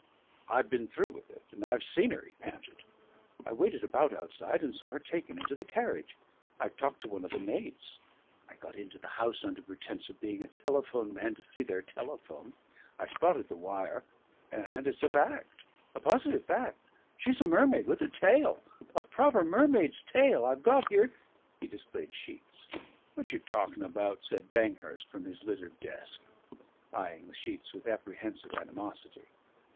"I've been through with it and I've seen her," he panted. "I waited about outside and saw her taken into the carriage. I've talked to one of the maids I got into the house under pretence of being a telephone man to see their telephone I spotted the wire and it's a fact. A positive fact she's a mermaid with a tail a proper mermaid's tail. I've got here " He displayed sheets. "Whaddyer talking about?" said Banghurst from his littered desk, eyeing the sheets with apprehensive animosity.